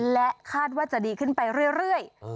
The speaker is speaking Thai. และคาดว่าจะดีขึ้นไปเรื่อย